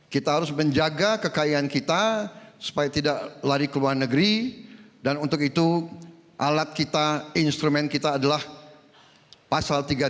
kita harus menjaga kekayaan kita supaya tidak lari ke luar negeri dan untuk itu alat kita instrumen kita adalah pasal tiga puluh tujuh